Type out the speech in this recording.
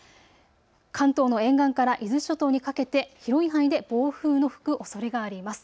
関東の沿岸から伊豆諸島にかけて広い範囲で暴風の吹くおそれがあります。